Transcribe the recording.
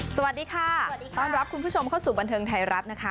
สวัสดีค่ะสวัสดีค่ะต้อนรับคุณผู้ชมเข้าสู่บันเทิงไทยรัฐนะคะ